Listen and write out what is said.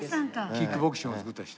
キックボクシングを作った人。